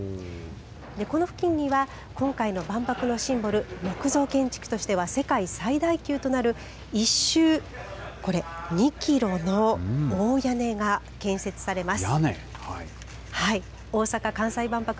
この付近には今回の万博のシンボル木造建築としては世界最大級となる１周、２キロの大屋根が建設されます。